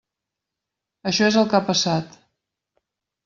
Això és el que ha passat.